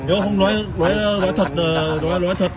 nếu không nói thật là ngon hay không ngon thì nói